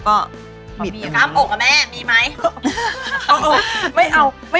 อ๋อเป็นอย่างเงี้ยค่ะ